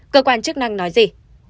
cơ quan chức năng nói gì